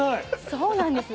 そうなんです。